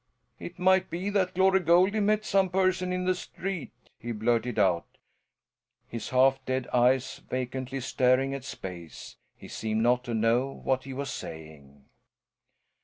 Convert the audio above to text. "It might be that Glory Goldie met some person in the street," he blurted out, his half dead eyes vacantly staring at space. He seemed not to know what he was saying.